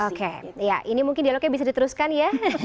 oke ya ini mungkin dialognya bisa diteruskan ya